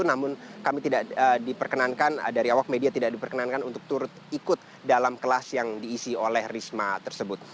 namun kami tidak diperkenankan dari awak media tidak diperkenankan untuk turut ikut dalam kelas yang diisi oleh risma tersebut